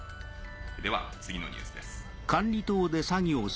では次のニュースです。